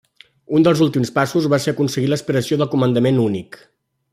Un dels últims passos, va ser aconseguir l’aspiració del comandament únic.